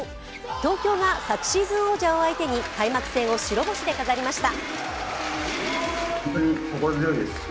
東京が昨シーズン王者を相手に開幕戦を白星で飾りました。